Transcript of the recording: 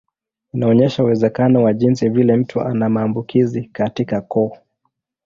Inaonyesha uwezekano wa jinsi vile mtu ana maambukizi katika koo.